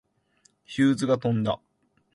ヒューズが飛んだ。